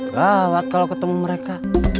gawat kalau ketemu mereka